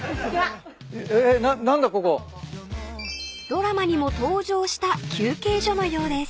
［ドラマにも登場した休憩所のようです］